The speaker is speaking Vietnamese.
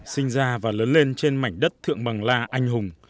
sinh ra và lớn lên trên mảnh đất thượng bằng la anh hùng